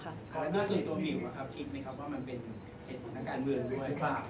ส่วนตัวหมิวอะครับคิดไหมครับว่ามันเป็นเหตุประสงค์การเมืองด้วย